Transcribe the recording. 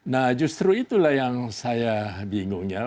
nah justru itulah yang saya bingungnya